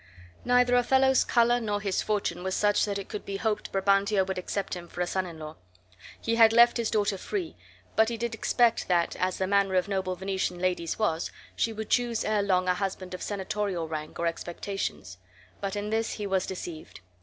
Neither Othello's color nor his fortune was such that it could be hoped Brabantio would accept him for a son in law. He had left his daughter free; but he did expect that, as the manner of noble Venetian ladies was, she would choose erelong a husband of senatorial rank or expectations; but in this he was deceived.